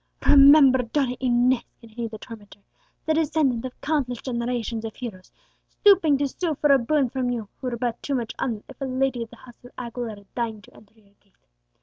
"Remember Donna Inez," continued the tormentor, "the descendant of countless generations of heroes, stooping to sue for a boon from you, who were but too much honoured if a lady of the house of Aguilera deigned to enter your gate.